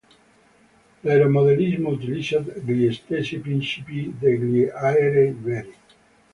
L'aeromodellismo utilizza gli stessi principi degli aerei veri.